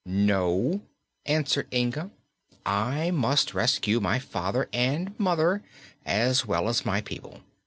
"No," answered Inga, "I must rescue my father and mother, as well as my people.